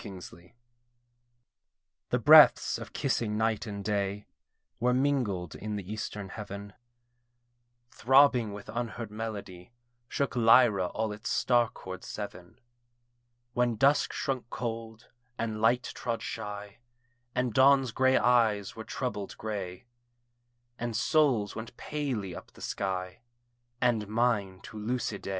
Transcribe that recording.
DREAM TRYST The breaths of kissing night and day Were mingled in the eastern Heaven: Throbbing with unheard melody Shook Lyra all its star chord seven: When dusk shrunk cold, and light trod shy, And dawn's grey eyes were troubled grey; And souls went palely up the sky, And mine to Lucidé.